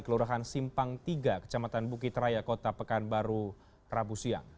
kelurahan simpang tiga kecamatan bukit raya kota pekanbaru rabu siang